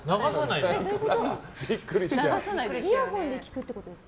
イヤホンで聴くってことですか？